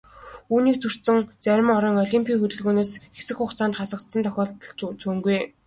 Үүнийг зөрчсөн зарим орон олимпын хөдөлгөөнөөс хэсэг хугацаагаар хасагдсан тохиолдол ч цөөнгүй.